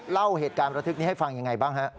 เล่าเหตุการณ์ระทึกนี้ให้ฟังยังไงบ้างฮะ